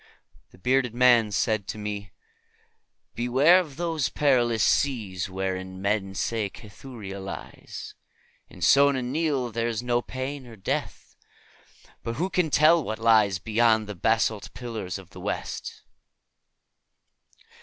But the bearded man said to me, "Beware of those perilous seas wherein men say Cathuria lies. In Sona Nyl there is no pain nor death, but who can tell what lies beyond the basalt pillars of the West?"